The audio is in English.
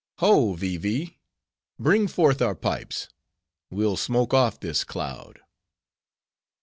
Ho, Vee Vee! bring forth our pipes: we'll smoke off this cloud."